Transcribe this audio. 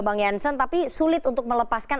bang jansen tapi sulit untuk melepaskan